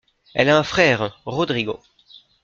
Elle a un frère, Rodrigo.